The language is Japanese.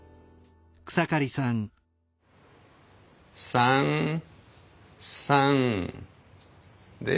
３３で５。